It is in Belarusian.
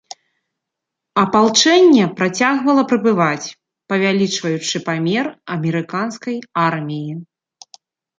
Апалчэнне працягвала прыбываць, павялічваючы памер амерыканскай арміі.